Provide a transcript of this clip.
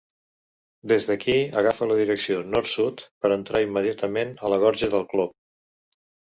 Des d'aquí agafa la direcció nord-sud per entrar immediatament a la Gorja del Clop.